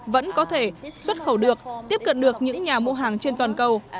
vẫn có thể xuất khẩu được tiếp cận được những nhà mua hàng trên toàn cầu